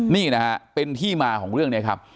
นี่นะฮะเป็นที่มาของเรื่องนี้ครับ